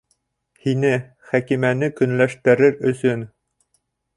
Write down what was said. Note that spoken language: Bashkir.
Һине, Хәкимәне көнләштерер өсөн!